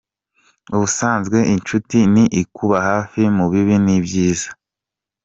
Ubusanzwe inshuti ni ikuba hafi mu bibi n’ibyiza.